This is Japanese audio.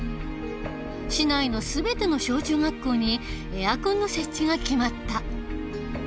市内の全ての小中学校にエアコンの設置が決まった。